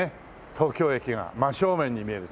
東京駅が真正面に見えるという。